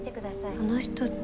あの人って。